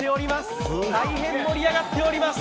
盛り上がっております。